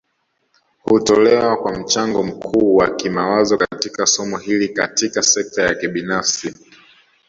Hutolewa kwa mchango mkuu wa kimawazo katika somo hili Katika sekta ya kibinafsi